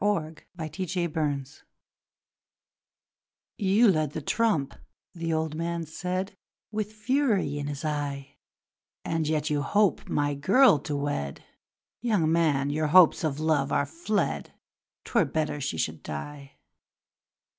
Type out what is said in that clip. The Last Trump 'You led the trump,' the old man said With fury in his eye, 'And yet you hope my girl to wed! Young man! your hopes of love are fled, 'Twere better she should die!